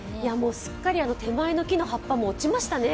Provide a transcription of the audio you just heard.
すっかり手前の木の葉っぱも落ちましたね。